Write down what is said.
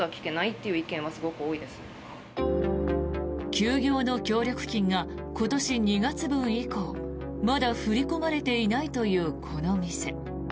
休業の協力金が今年２月分以降まだ振り込まれていないというこの店。